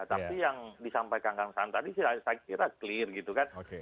tapi yang disampaikan kang saan tadi saya kira clear gitu kan